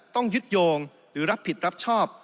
ต้องยึดโยงหรือรับผิดรับชอบ